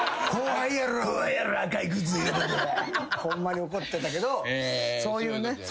ホンマに怒ってたけどそういうね。